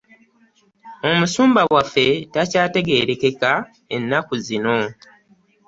Omusumba waffe takyateregerekeka ennaku zino.